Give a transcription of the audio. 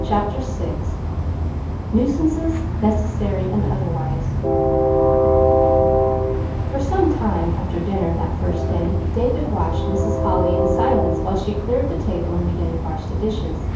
CHAPTER VI NUISANCES, NECESSARY AND OTHERWISE For some time after dinner, that first day, David watched Mrs. Holly in silence while she cleared the table and began to wash the dishes.